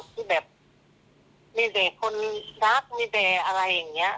ที่แบบมีเด็กคนรักมีเด็กอะไรอย่างนี้